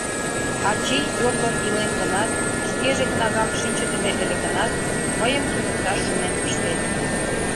Ачий йорлын илен гынат, шкеже кнагам шинчыдыме ыле гынат, мыйым туныкташ шонен пыштен.